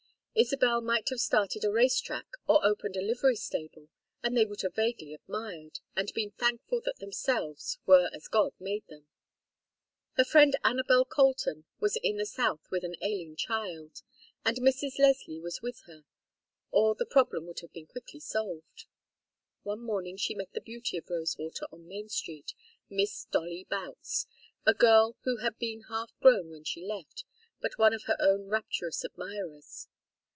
Isabel might have started a race track or opened a livery stable and they would have vaguely admired, and been thankful that themselves were as God made them. Her friend Anabel Colton was in the south with an ailing child, and Mrs. Leslie was with her, or the problem would have been quickly solved. One morning she met the beauty of Rosewater on Main Street, Miss Dolly Boutts, a girl who had been half grown when she left, but one of her own rapturous admirers.